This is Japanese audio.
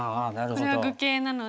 これは愚形なので。